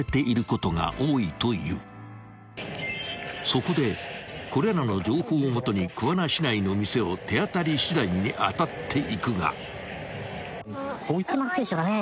［そこでこれらの情報をもとに桑名市内の店を手当たり次第に当たっていくが］